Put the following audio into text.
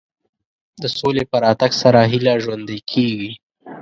د سولې په راتګ سره هیله ژوندۍ کېږي.